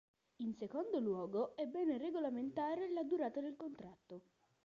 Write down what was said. In secondo luogo, è bene regolamentare la durata del contratto.